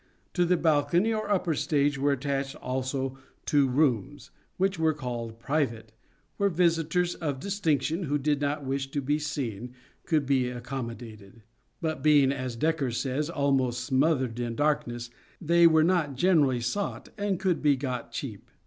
To the balcony or upper stage were attached also two " rooms " which were called private, where visitors of distinction, who did not wish to be seen, could be accommodated ; but being, as Dekker says, almost smothered in darkness, they were not generally sought, and could be got cheap.